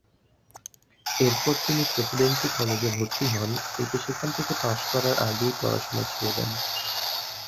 এরপর তিনি প্রেসিডেন্সী কলেজে ভর্তি হন কিন্তু সেখান থেকে পাশ করার আগেই পড়াশোনা ছেড়ে দেন।